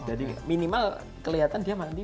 jadi minimal kelihatan dia mantipah sih